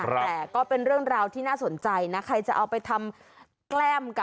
แต่ก็เป็นเรื่องราวที่น่าสนใจนะ